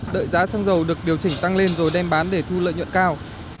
đợi giá xăng dầu được điều chỉnh tăng lên rồi đem bán để thu lợi nhuận cao